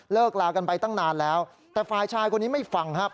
ลากันไปตั้งนานแล้วแต่ฝ่ายชายคนนี้ไม่ฟังครับ